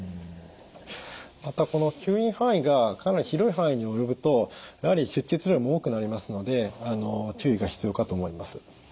またこの吸引範囲がかなり広い範囲に及ぶとやはり出血量も多くなりますので注意が必要かと思います。